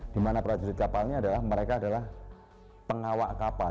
dimana prajurit kapalnya adalah mereka adalah pengawal kapal